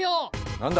何だ？